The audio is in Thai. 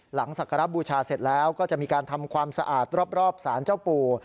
ศักระบูชาเสร็จแล้วก็จะมีการทำความสะอาดรอบสารเจ้าปู่